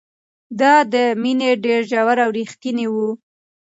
د ده مینه ډېره ژوره او رښتینې وه.